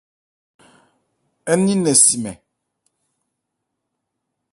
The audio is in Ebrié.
Ń ni nnɛn si nmɛn.